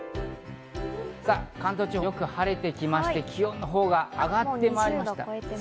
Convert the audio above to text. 関東地方はよく晴れて来まして、気温のほうが上がってまいりました。